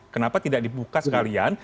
kenapa tidak dibuka sekalian